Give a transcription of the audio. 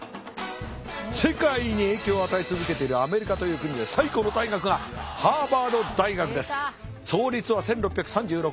世界に影響を与え続けているアメリカという国で最高の大学が創立は１６３６年。